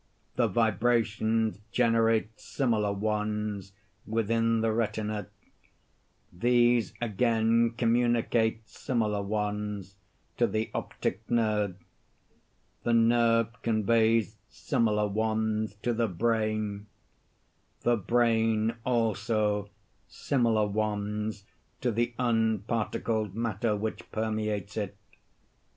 The vibrations generate similar ones within the retina; these again communicate similar ones to the optic nerve. The nerve conveys similar ones to the brain; the brain, also, similar ones to the unparticled matter which permeates it.